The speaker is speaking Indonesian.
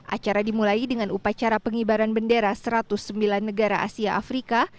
acara dimulai dengan upacara pengibaran bendera satu ratus sembilan negara asia afrika